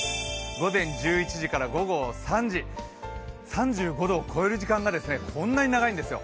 午前１１時から午後３時、３５度を超える時間がこんなに長いんですよ。